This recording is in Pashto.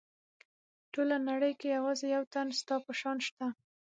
په ټوله نړۍ کې یوازې یو تن ستا په شان شته.